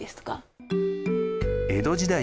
江戸時代